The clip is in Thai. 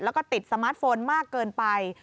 แล้วก็ติดสมาร์ทโฟนมากเกินไป